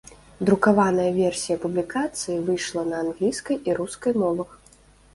Друкаваная версія публікацыі выйшла на англійскай і рускай мовах.